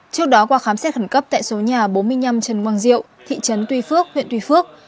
trước đó qua khám xét khẩn cấp tại số nhà bốn mươi năm trần quang diệu thị trấn tuy phước huyện tuy phước